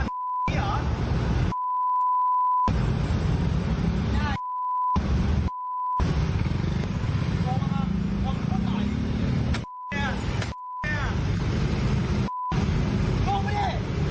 คุณผู้ชมลองไปดูคลิปบางช่วงบนตอนที่เกิดขึ้นบนท้องตนหนุ่นค่ะ